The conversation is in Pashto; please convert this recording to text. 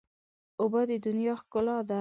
اوبه د دنیا ښکلا ده.